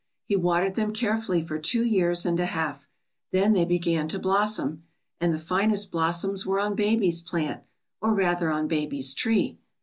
"He watered them carefully for two years and a half; then they began to blossom. And the finest blossoms were on baby's plant, or rather on baby's tree.